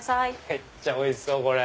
めっちゃおいしそう！